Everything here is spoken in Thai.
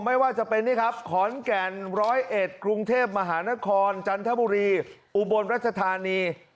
ไม่ว่าจะเป็นขอนแก่น๑๐๑กรุงเทพฯมหานครจันทบุรีอุบลรัชธานี